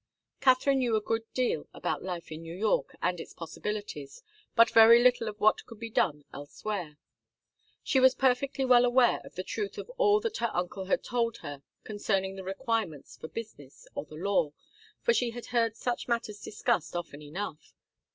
Katharine knew a good deal about life in New York and its possibilities, but very little of what could be done elsewhere. She was perfectly well aware of the truth of all that her uncle had told her concerning the requirements for business or the law, for she had heard such matters discussed often enough.